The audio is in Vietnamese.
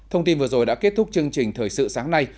thông tin vừa rồi đã kết thúc chương trình thời sự sáng nay